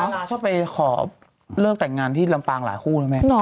ลาชอบไปขอเลิกแต่งงานที่ลำปางหลายคู่นะแม่